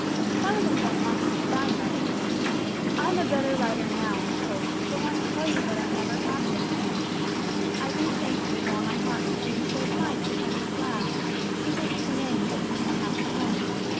Some of them don't like it, but I am ready. I am a better writer now, I hope, so want to tell you what I never have yet. I do thank you with all my heart for being so kind to a homeless lad and taking him in and giving him a happy home.